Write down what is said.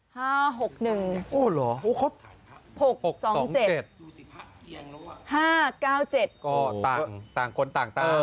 ห้าหกหนึ่งโอ้หรอหกสองเจ็ดห้าเก้าเจ็ดก็ต่างต่างคนต่างต่าง